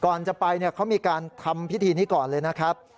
ก่อนจะไปเขามีการทำพิธีนี้ก่อนเลยนะครับ